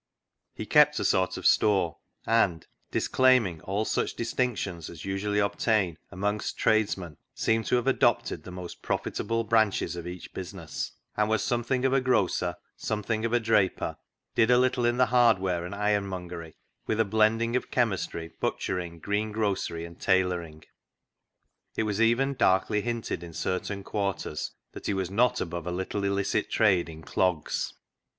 He kept a sort of store, and, disclaiming all such distinctions as usually obtain amongst trades men, seemed to have adopted the most profitable COALS OF FIRE 129 branches of each business, and was something of a grocer, something of a draper, did a little in the hardware and ironmongery, with a blend ing of chemistry, butchering, greengrocery, and tailoring. It was even darkly hinted in certain quarters that he was not above a little illicit trade in clogs.